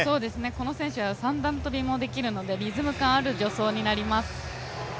この選手は三段跳もできるのでリズム感のある助走になります。